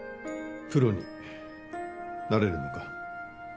プロになれるのか？